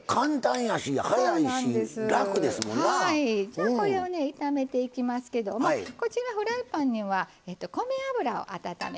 じゃあこれをね炒めていきますけどもこちらフライパンには米油を温めてますね。